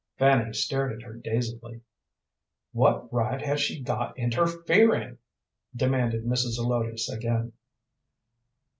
Fanny stared at her dazedly. "What right has she got interfering?" demanded Mrs. Zelotes again.